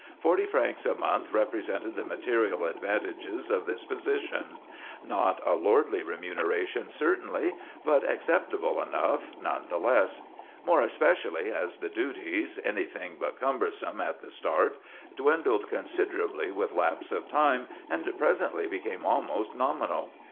Forty francs a month represented the material advantages of this position; not a lordly remuneration, certainly, but acceptable enough, none the less; more especially as the duties, anything but cumbersome at the start, dwindled considerably with lapse of time and presently became almost nominal.